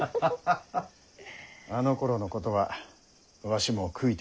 あのころのことはわしも悔いておる。